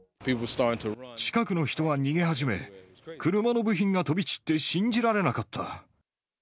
近くの人は逃げ始め、車の部品が飛び散って信じられなかった。